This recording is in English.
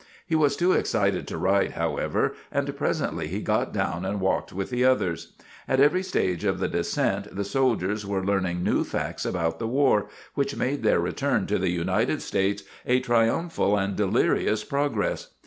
He was too excited to ride, however, and presently he got down and walked with the others. At every stage of the descent the soldiers were learning new facts about the war, which made their return to the United States a triumphal and delirious progress.